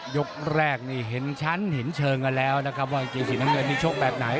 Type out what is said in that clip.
ยกแรกนี่เห็นชั้นเห็นเชิงกันแล้วนะครับว่ากางเกงสีน้ำเงินนี่ชกแบบไหน